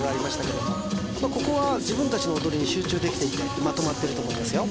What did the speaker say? けどここは自分たちの踊りに集中できていてまとまってると思いますよ